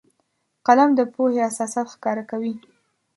قلم د پوهې اساسات ښکاره کوي